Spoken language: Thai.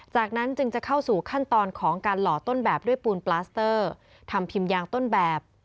จากนั้นจึงจะเข้าสู่ขั้นตอนของการหล่อต้นแบบด้วยปูนปลาสเตอร์ทำพิมพ์ยางต้นแบบ